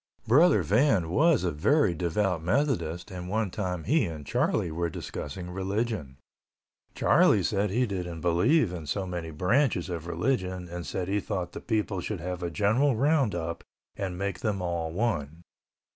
Brother Van was a very devout Methodist and one time he and Charlie were discussing religion, Charlie said he didn't believe in so many branches of religion and said he thought the people should have a general roundup and make them all one.